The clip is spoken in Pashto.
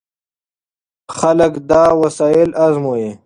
خلک دا وسایل ازمويي.